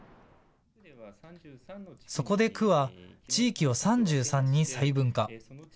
そこで区は地域を３３に細分化。